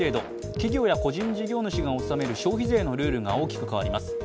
企業や個人事業主が納める消費税のルールが大きく変わります。